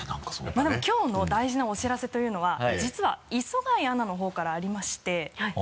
まぁでもきょうの大事なお知らせというのは実は磯貝アナの方からありましてはい。